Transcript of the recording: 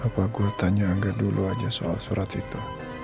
apa gue tanya dulu aja soal surat itu